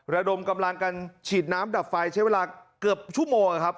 ระดมกำลังกันฉีดน้ำดับไฟใช้เวลาเกือบชั่วโมงครับ